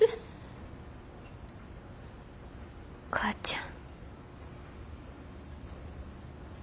お母ちゃん。